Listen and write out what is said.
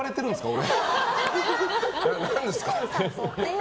俺。